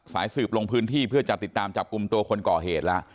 สายสืบลงพื้นที่เพื่อจะติดตามจับกลุ่มตัวคนก่อเหตุแล้ว